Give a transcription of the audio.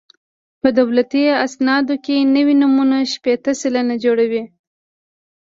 په دولتي اسنادو کې نوي نومونه شپېته سلنه جوړوي